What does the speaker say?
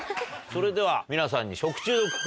それでは皆さんに。